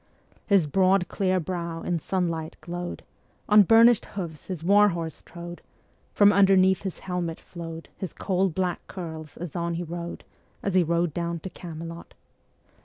His broad clear brow in sunlight glow'd; On burnish'd hooves his war horse trode; From underneath his helmet flow'd His coal black curls as on he rode, Ā Ā As he rode down to Camelot.